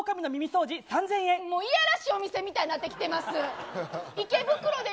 もういやらしいお店みたいになってきてます。